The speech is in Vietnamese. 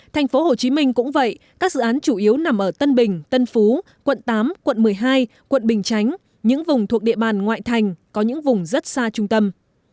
thành phố hồ chí minh cũng vậy các dự án chủ yếu nằm ở tân bình tân phú quận tám quận một mươi hai quận bình chánh những vùng thuộc địa bàn ngoại thành có những vùng rất xa trung tâm